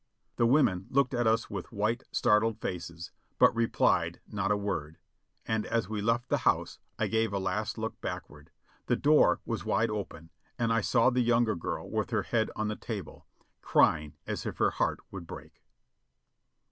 The women looked at us with white, startled faces, but replied not a word ; and as we left the house, I gave a last look back ward; the door was wide open and I saw the younger girl with her head on the table, crying as if her heart would break.